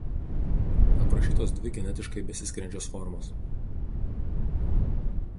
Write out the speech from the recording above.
Aprašytos dvi genetiškai besiskiriančios formos.